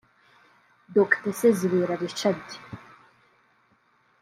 Dr Sezibera Richard